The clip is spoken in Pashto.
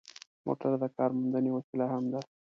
موټر د کارموندنې وسیله هم ده.